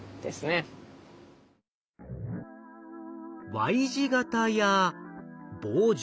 Ｙ字型や棒状。